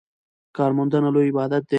کارموندنه لوی عبادت دی.